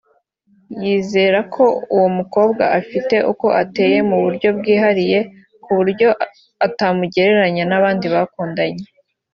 yizera ko uwo mukobwa afite uko ateye mu buryo bwihariye kuburyo atamugereranya n’abandi bakundanye